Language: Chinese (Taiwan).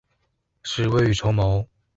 是未雨綢繆